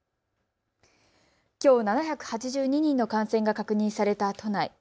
きょう７８２人の感染が確認された都内。